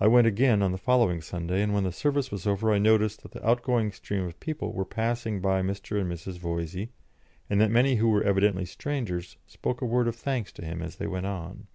I went again on the following Sunday, and when the service was over I noticed that the outgoing stream of people were passing by Mr. and Mrs. Voysey, and that many who were evidently strangers spoke a word of thanks to him as they went on.